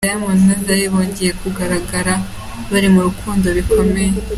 Diamond na Zari bongeye kugaragara bari mu rukundo bikomeye.